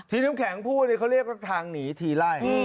น้ำแข็งพูดเนี่ยเขาเรียกว่าทางหนีทีไล่